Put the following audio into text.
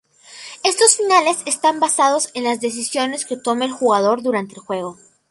Estos finales están basados en las decisiones que tome el jugador durante el juego.